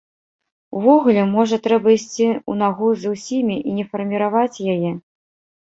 Увогуле, можа трэба ісці ў нагу з усімі і не фарміраваць яе?